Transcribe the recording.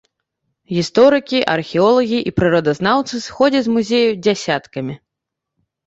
Гісторыкі, археолагі і прыродазнаўцы сыходзяць з музею дзясяткамі.